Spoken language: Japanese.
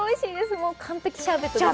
もう完璧シャーベットです。